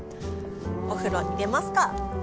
お風呂入れますか！